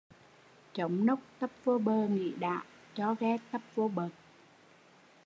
Chống nôốc tấp vô bờ nghỉ đã, cho ghe tấp vô bợt